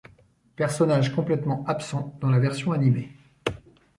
Personnage complètement absent dans la version animée.